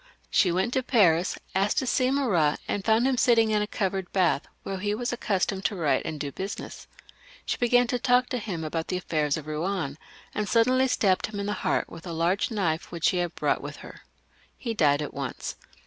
She went to Paris, asked to see Marat, and Jound him sitting in a covered bath, where he was accustomed to write and do business. She began to talk to him about the affairs of Eouen, and suddenly stabbed him in the heart with a large knife which .she had brought with her. He died at once.